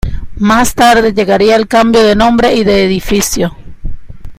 Más tarde llegaría el cambio de nombre y de edificio.